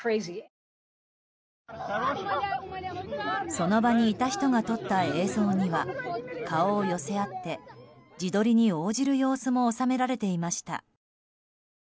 その場にいた人が撮った映像には顔を寄せ合って自撮りに応じる様子も収められていました。